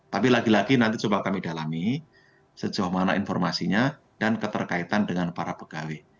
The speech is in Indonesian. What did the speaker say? tapi lagi lagi nanti coba kami dalami sejauh mana informasinya dan keterkaitan dengan para pegawai